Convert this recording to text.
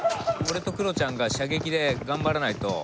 俺とクロちゃんが射撃で頑張らないと。